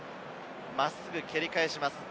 真っすぐ蹴り返します。